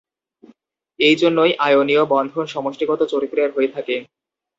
এই জন্যই আয়নীয় বন্ধন সমষ্টিগত চরিত্রের হয়ে থাকে।